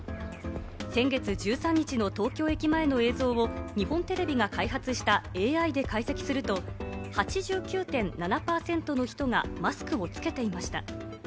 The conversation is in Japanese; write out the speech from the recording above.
先月１３日の東京駅前の映像を日本テレビが開発したＡＩで解析すると、８９．７％の人がマスクをつけていました。